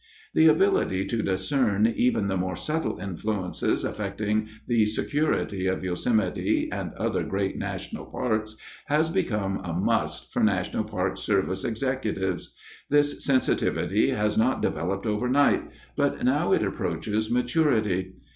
_ _The ability to discern even the more subtle influences affecting the security of Yosemite and other great national parks has become a "must" for National Park Service executives. This sensitivity has not developed overnight, but now it approaches maturity.